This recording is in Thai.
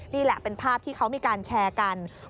นี่แหละเป็นภาพที่เขามีการแชร์กัน